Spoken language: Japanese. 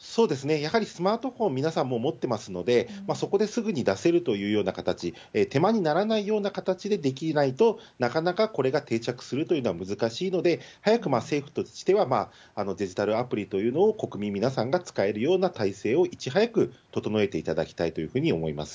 やはりスマートフォン、皆さんも思ってますので、そこですぐに出せるというような形、手間にならないような形でできないと、なかなかこれが定着するというのは難しいので、早く政府としては、デジタルアプリというのを国民皆さんが使えるような体制をいち早く整えていただきたいというふうに思います。